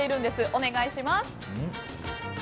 お願いします。